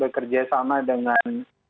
bekerja sama dengan